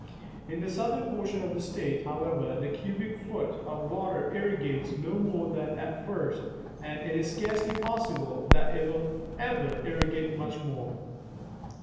In the southern portion of the State, how ever, the cubic foot of water irrigates no more than at first, and it is scarcely possible that it will ever irrigate much more.